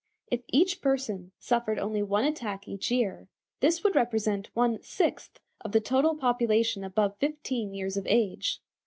_ If each person suffered only one attack each year, this would represent one sixth of the total population above fifteen years of age.